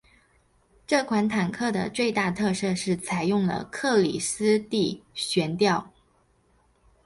这款坦克的最大特色是采用了克里斯蒂悬吊。